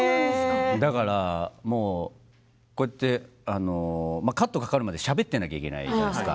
だから、こうやってカットがかかるまでしゃべっていなくてはいけないじゃないですか。